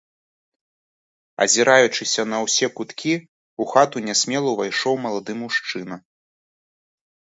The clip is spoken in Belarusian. Азіраючыся на ўсе куткі, у хату нясмела ўвайшоў малады мужчына.